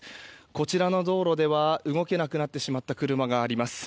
こちらの道路では動けなくなってしまった車があります。